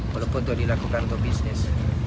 walaupun sudah dilakukan untuk bisnis